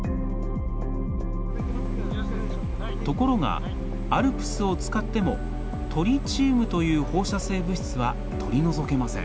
ところが、ＡＬＰＳを使ってもトリチウムという放射性物質は取り除けません